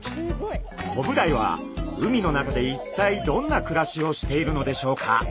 コブダイは海の中で一体どんな暮らしをしているのでしょうか？